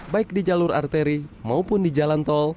baik di jalur arteri maupun di jalan tol